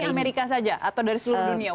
di amerika saja atau dari seluruh dunia